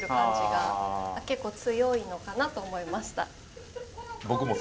結構強いのかなと思いました。